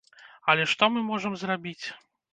Але што мы можам зрабіць?